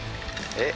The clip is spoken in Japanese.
えっ！？